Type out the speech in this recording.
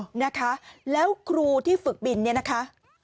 นะคะแล้วครูที่ฝึกบินเนี่ยนะคะ